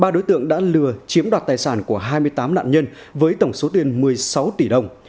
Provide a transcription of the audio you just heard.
ba đối tượng đã lừa chiếm đoạt tài sản của hai mươi tám nạn nhân với tổng số tiền một mươi sáu tỷ đồng